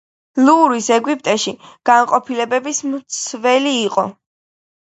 ლუვრის ეგვიპტური განყოფილების მცველი იყო.